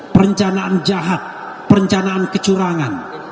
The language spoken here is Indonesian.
perencanaan jahat perencanaan kecurangan